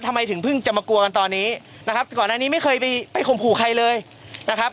ทำไมถึงเพิ่งจะมากลัวกันตอนนี้นะครับก่อนอันนี้ไม่เคยไปข่มขู่ใครเลยนะครับ